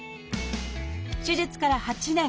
手術から８年。